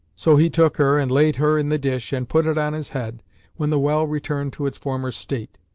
So he took her and laid her in the dish, and put it on his head, when the well returned to its former state.